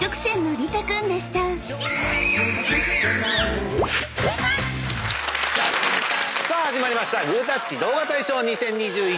・「グータッチ！」さあ始まりました『グータッチ』動画大賞２０２１。